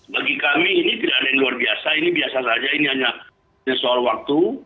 bagi kami ini tidak ada yang luar biasa ini biasa saja ini hanya soal waktu